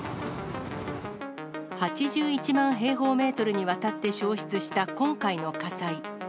８１万平方メートルにわたって焼失した今回の火災。